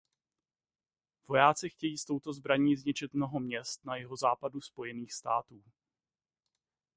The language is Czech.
Vojáci chtějí s touto zbraní zničit mnoho měst na jihozápadu Spojených států.